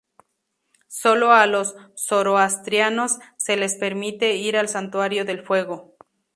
Solo a los zoroastrianos se les permite ir al santuario del fuego.